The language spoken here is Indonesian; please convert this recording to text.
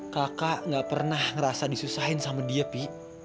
kakak gak pernah ngerasa disusahin sama dia pi